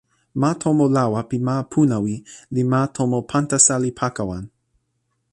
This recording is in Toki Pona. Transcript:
ma tomo lawa pi ma Punawi li ma tomo Pantasalipakawan.